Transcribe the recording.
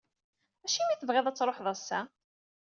Acimi i tebɣiḍ ad tṛuḥeḍ ass-a?